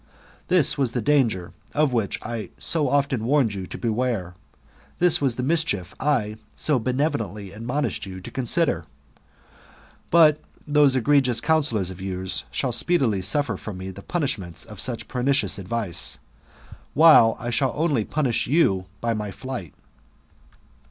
This was the danger of which I so often warned you to beware; this was the mischief I so benevolently admonished you to consider. But those egregious counsellors of yours shall speedily suffer from me the punish ment of such pernicious advice ; while you I shall only punish by my flight."